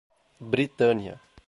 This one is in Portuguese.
Britânia